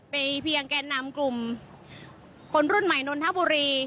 เพียงแกนนำกลุ่มคนรุ่นใหม่นนทบุรี